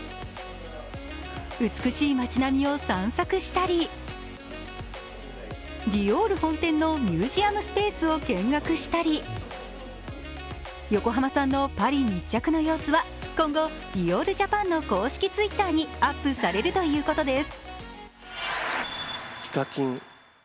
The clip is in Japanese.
美しい街並みを散策したりディオール本店のミュージアムスペースを見学したり横浜さんのパリ密着の様子は今後ディオール・ジャパンの公式Ｔｗｉｔｔｅｒにアップされるということです。